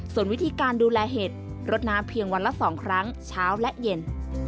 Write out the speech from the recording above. ส่วนวิธีการดูแลเห็ดรดน้ำเพียงวันละ๒ครั้งเช้าและเย็น